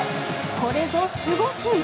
これぞ守護神。